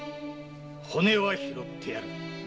骨は拾ってやる。